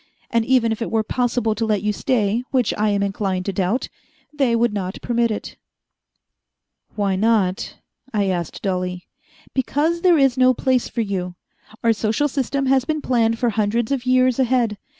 And even if it were possible to let you stay which I am inclined to doubt they would not permit it." "Why not?" I asked dully. "Because there is no place for you. Our social system has been planned for hundreds of years ahead.